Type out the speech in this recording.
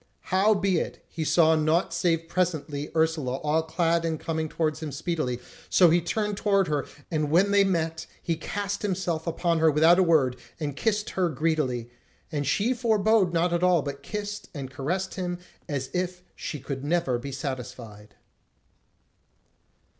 Howbeit he saw naught save presently Ursula all clad and coming towards him speedily; so he turned toward her, and when they met he cast himself upon her without a word, and kissed her greedily; and she forbore not at all, but kissed and caressed him as if she could never be satisfied.